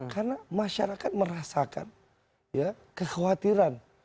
karena masyarakat merasakan kekhawatiran